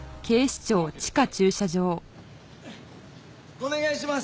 お願いします。